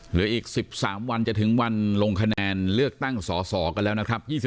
เหลืออีก๑๓วันจะถึงวันลงคะแนนเลือกตั้งสอสอกันแล้วนะครับ